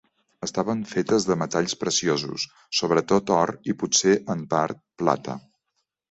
Estaven fetes de metalls preciosos, sobretot or i potser, en part, plata.